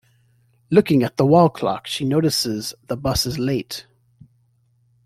Looking at a wall clock she notices the bus is late.